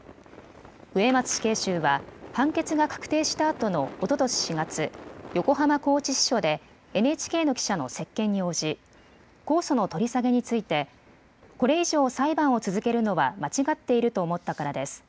植松死刑囚は判決が確定したあとのおととし４月、横浜拘置支所でＮＨＫの記者の接見に応じ控訴の取り下げについてこれ以上、裁判を続けるのは間違っていると思ったからです。